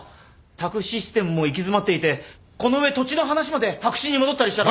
宅・システムも行き詰まっていてこの上土地の話まで白紙に戻ったりしたら。